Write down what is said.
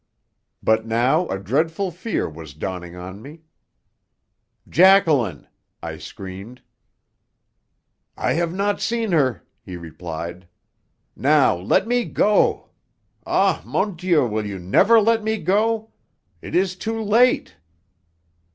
But now a dreadful fear was dawning on me. "Jacqueline!" I screamed. "I have not seen her," he replied. "Now let me go! Ah, mon Dieu, will you never let me go? It is too late!"